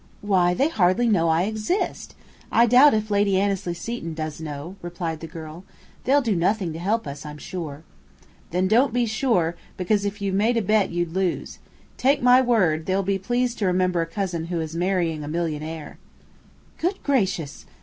"Why, they hardly know I exist! I doubt if Lady Annesley Seton does know," replied the girl. "They'll do nothing to help us, I'm sure." "Then don't be sure, because if you made a bet you'd lose. Take my word, they'll be pleased to remember a cousin who is marrying a millionaire." "Good gracious!"